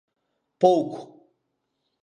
¡Pouco!